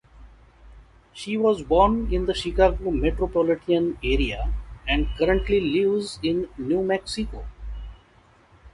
She was born in the Chicago metropolitan area and currently lives in New Mexico.